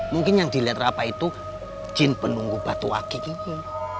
mungkin yang dilihat rafa itu jin penunggu batu akik ini